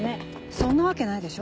そんなわけないでしょ